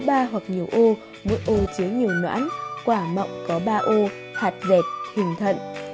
cây cà chua có ba hoặc nhiều ô mỗi ô chứa nhiều noãn quả mọng có ba ô hạt dẹt hình thận